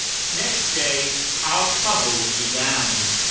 Next day our troubles began.